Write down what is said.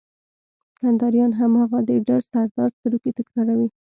کنداريان هماغه د ډر سردار سروکی تکراروي.